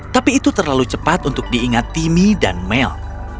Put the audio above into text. tapi itu terlalu cepat untuk diingat timmy dan mel